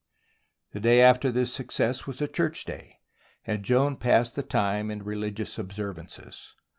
The day after this success was a church day, and Joan passed the time in religious observances.